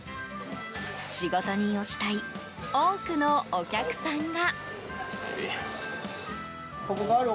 仕事人を慕い多くのお客さんが。